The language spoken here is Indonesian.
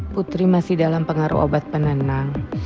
putri masih dalam pengaruh obat penenang